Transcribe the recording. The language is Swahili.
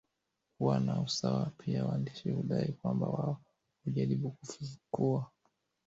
Kuwa na usawa pia waandishi hudai kwamba wao hujaribu kufukua